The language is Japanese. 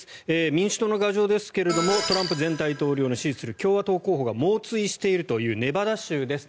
民主党の牙城ですがトランプ前大統領の支持する共和党候補が猛追しているというネバダ州です。